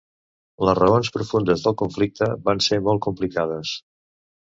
Les raons profundes del conflicte van ser molt complicades.